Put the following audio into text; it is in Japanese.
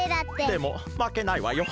でもまけないわよ。